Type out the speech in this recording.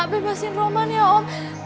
bebasin roman ya om